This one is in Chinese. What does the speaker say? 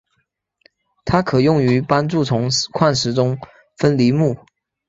它可用于帮助从矿石中分离钼。